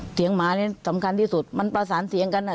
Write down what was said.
หมานี่สำคัญที่สุดมันประสานเสียงกัน